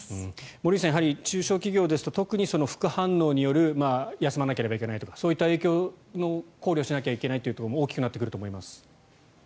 森内さん、中小企業ですと特に副反応による休まなければいけないとかそういう影響も考慮しなければいけないところも大きくなってくると思います。